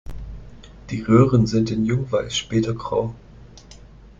Die Röhren sind in jung weiß, später grau.